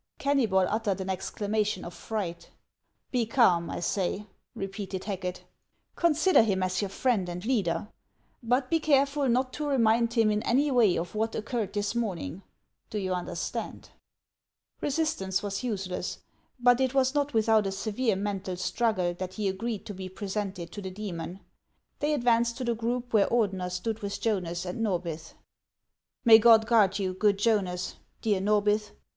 Kennybol uttered an exclamation of fright. " Be calm, I say," repeated Hacket. " Consider him as your friend and leader; but be careful not to remind him in any way of what occurred this morning. Do you understand ?" 356 HANS OF ICELAND. Resistance was useless ; but it was not without a severe mental struggle that he agreed to be presented to the demon. They advanced to the group where Ordener stood with Jonas and Norbith. " May God guard you, good Jonas, dear Xorbith